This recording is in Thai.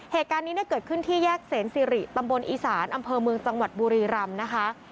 เหตุการณ์นี้เนี่ยเกิดขึ้นที่แยกเสนสิริตำบลอีสานอำเภอเมืองจังหวัดบุรีรำนะคะ